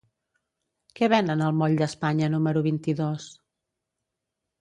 Què venen al moll d'Espanya número vint-i-dos?